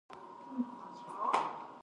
پنجشنبه د رخصتۍ ورځ ده.